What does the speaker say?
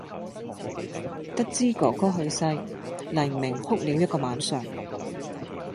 得知“哥哥”去世，黎明哭了一個晚上。